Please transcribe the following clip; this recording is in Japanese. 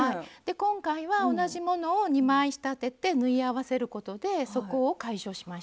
今回は同じものを２枚仕立てて縫い合わせることでそこを解消しました。